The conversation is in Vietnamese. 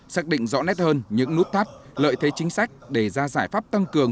xác định rõ nét hơn những nút thắt lợi thế chính sách để ra giải pháp tăng cường